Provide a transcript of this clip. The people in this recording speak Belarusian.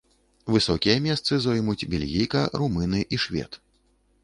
Высокія месцы зоймуць бельгійка, румыны і швед.